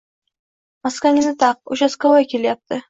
-Maskangni taq, uchaskavoy kelayapti